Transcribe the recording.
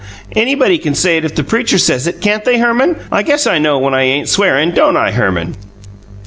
Anybody can say it if the preacher says it, can't they, Herman? I guess I know when I ain't swearing, don't I, Herman?"